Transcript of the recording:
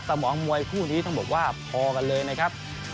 สมองมวยคู่นี้ต้องบอกว่าพอกันเลยนะครับ